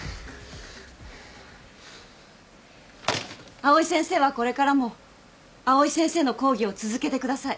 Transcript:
藍井先生はこれからも藍井先生の講義を続けてください。